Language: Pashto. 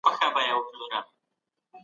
د لویې جرګي له پرېکړو وروسته څه پیښیږي؟